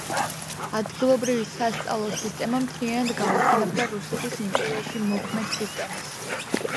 ადგილობრივი სასწავლო სისტემა მთლიანად გაუთანაბრდა რუსეთის იმპერიაში მოქმედ სისტემას.